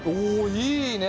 いいね！